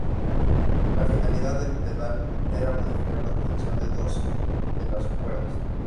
La finalidad del pedal era modificar la tensión de dos de las cuerdas.